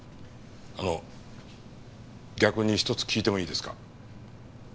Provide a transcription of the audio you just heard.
あの逆に１つ聞いてもいいですか？